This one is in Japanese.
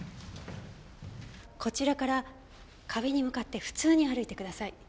こちらから壁に向かって普通に歩いてください。